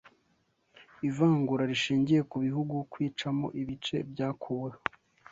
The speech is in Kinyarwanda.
ivangura rishingiye ku bihugu, kwicamo ibice byakuweho;